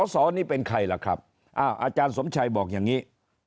สอนี่เป็นใครล่ะครับอาจารย์สมชัยบอกอย่างนี้